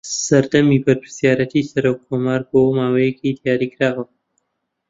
سەردەمی بەرپرسایەتی سەرۆککۆمار بۆ ماوەیەکی دیاریکراوە